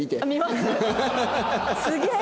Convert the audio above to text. すげえ！